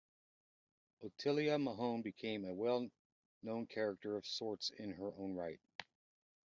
Otelia Mahone became a well-known character of sorts in her own right.